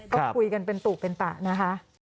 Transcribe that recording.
ก็คุยกันเป็นตู่เป็นตะนะคะ